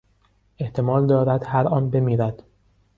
احتمال دارد هر آن بمیرد.